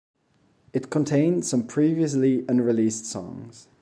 It contained some previously unreleased songs.